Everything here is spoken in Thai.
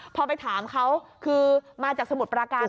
พอไปถามเขาคือมาจากสมุทรปราการ